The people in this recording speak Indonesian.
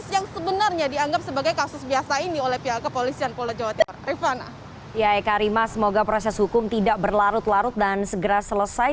ya eka rima semoga proses hukum tidak berlarut larut dan segera selesai